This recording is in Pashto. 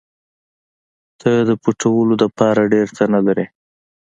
ته د پټولو دپاره ډېر څه نه لرې.